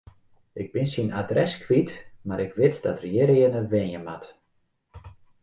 Ik bin syn adres kwyt, mar ik wit dat er hjirearne wenje moat.